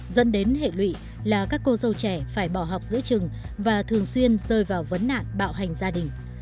dẫn đến hệ lụy là các cô dâu trẻ phải bỏ học giữa trường và thường xuyên rơi vào vấn nạn bạo hành gia đình